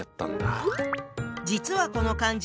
実はこの漢字